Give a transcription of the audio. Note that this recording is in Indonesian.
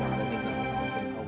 hari ini kita belum tos